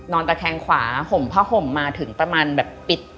ตะแคงขวาห่มผ้าห่มมาถึงประมาณแบบปิด